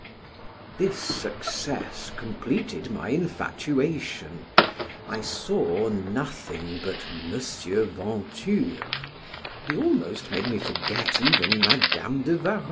This success completed my infatuation; I saw nothing but M. Venture; he almost made me forget even Madam de Warrens.